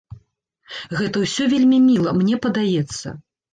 Гэта ўсё вельмі міла, мне падаецца.